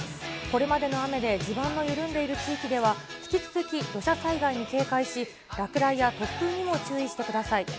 これまでの雨で地盤の緩んでいる地域では、引き続き土砂災害に警戒し、落雷や突風にも注意してください。